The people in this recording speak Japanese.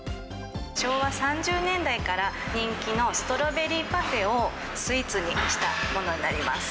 昭和３０年代から人気のストロベリーパフェをスイーツにしたものになります。